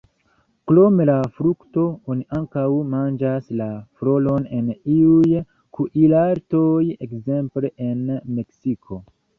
Krom la frukto, oni ankaŭ manĝas la floron en iuj kuirartoj, ekzemple en Meksiko.